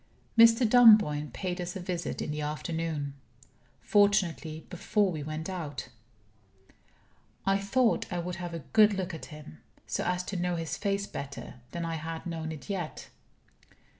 Mr. Dunboyne paid us a visit in the afternoon. Fortunately, before we went out. I thought I would have a good look at him; so as to know his face better than I had known it yet.